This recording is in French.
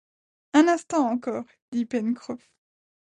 Un instant encore ! dit Pencroff.